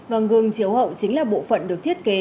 và gương chiếu hậu chính là bộ phận được thiết kế